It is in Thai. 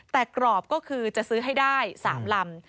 แต่กรอบก็คือจะซื้อให้ได้๓ลำ